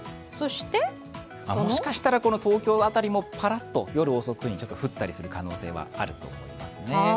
もしかしたら、東京辺りもパラッと夜遅くに降ったりする可能性はあるかもしれませんね。